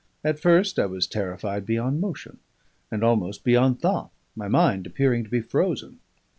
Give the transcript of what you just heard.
At first I was terrified beyond motion, and almost beyond thought, my mind appearing to be frozen.